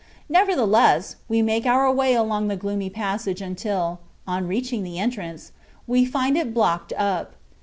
Nevertheless, we make our way along the gloomy passage until, on reaching the entrance, we find it blocked up.